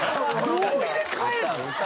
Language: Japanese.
どう入れ替えるの？